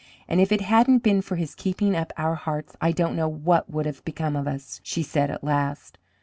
"And if it hadn't been for his keeping up our hearts I don't know what would have become of us," she said at last.